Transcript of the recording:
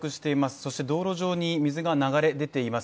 そして道路上に水が流れ出ています。